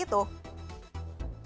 itu hal yang apa